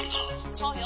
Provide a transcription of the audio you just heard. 「そうよ。